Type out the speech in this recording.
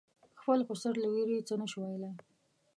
خپل خسر له وېرې یې څه نه شو ویلای.